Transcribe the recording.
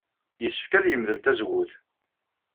Yessefk ad yemdel tazewwut?